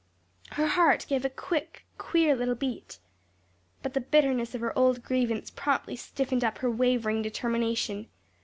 Her heart gave a quick, queer little beat. But the bitterness of her old grievance promptly stiffened up her wavering determination.